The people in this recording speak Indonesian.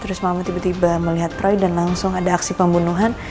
terus mama tiba tiba melihat troy dan langsung ada aksi pembunuhan